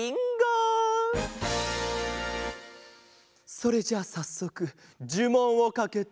それじゃあさっそくじゅもんをかけて。